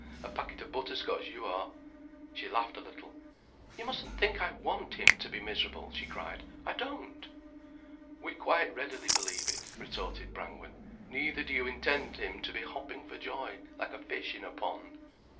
A packet o' butterscotch, you are." She laughed a little. "You mustn't think I want him to be miserable," she cried. "I don't." "We quite readily believe it," retorted Brangwen. "Neither do you intend him to be hopping for joy like a fish in a pond."